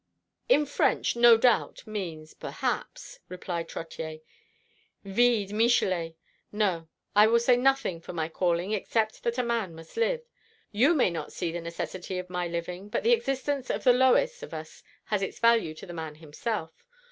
"In French no doubt means perhaps," replied Trottier, "vide Michelet. No, I will say nothing for my calling, except that a man must live. You may not see the necessity of my living, but the existence of the lowest of us has its value to the man himself.